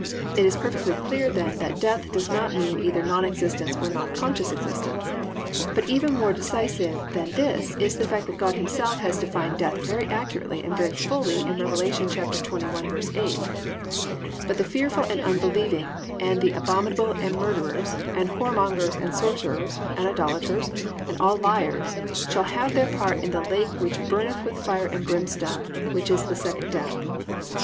It is perfectly clear then that death does not mean either non existence, or non conscious existence. But even more decisive than this is the fact that God Himself has defined death very accurately and very fully in Rev. 21:8: +"But the fearful and unbelieving, and the abominable, and murderers, and whoremongers, and sorcerers, and idolators, and all liars, shall have their part in the lake which burneth with fire and brimstone; which is the second death."